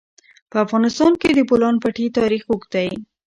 په افغانستان کې د د بولان پټي تاریخ اوږد دی.